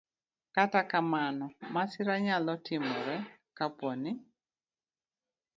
Kata kamano, masira nyalo timore kapo ni